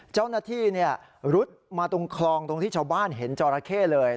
เจ้าหน้าที่รุดมาตรงคลองตรงที่ชาวบ้านเห็นจอราเข้เลย